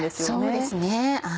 そうですね